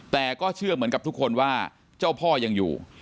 แต่ก็เชื่อเหมือนกับทุกคนว่าเจ้าพ่อยังอยู่